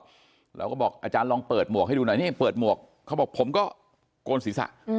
เราก็บอกอาจารย์ลองเปิดหมวกให้ดูหน่อยนี่เปิดหมวกเขาบอกผมก็โกนศีรษะ